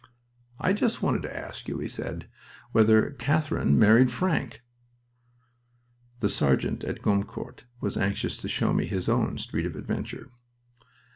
"I just wanted to ask you," he said, "whether Katharine married Frank?" The sergeant at Gommecourt was anxious to show me his own Street of Adventure.